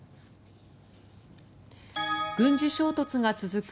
軍事衝突が続く